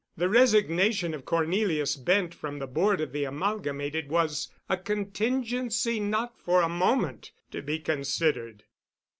The resignation of Cornelius Bent from the Board of the Amalgamated was a contingency not for a moment to be considered.